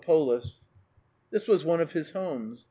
Polis This was one of his homes.